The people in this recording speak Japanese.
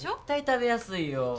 絶対食べやすいよ。